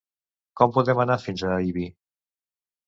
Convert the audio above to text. Com podem anar fins a Ibi?